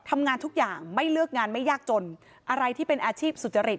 ทำงานทุกอย่างไม่เลือกงานไม่ยากจนอะไรที่เป็นอาชีพสุจริต